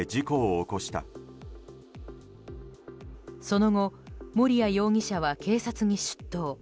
その後、森谷容疑者は警察に出頭。